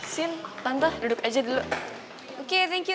sin pantah duduk aja dulu oke thank you